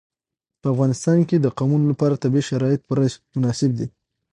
په افغانستان کې د قومونه لپاره طبیعي شرایط پوره مناسب دي.